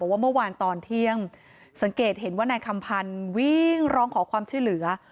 ว่าเมื่อวานตอนเที่ยงสังเกตเห็นว่านายคำพันธ์วิ่งร้องขอความช่วยเหลือ